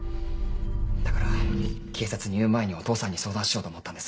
だから警察に言う前にお父さんに相談しようと思ったんです。